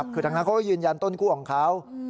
คือทางนั้นเขาก็ยืนยันต้นคั่วของเขา